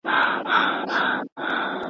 موږ باید د خپل ښوونځي ساتنه وکړو.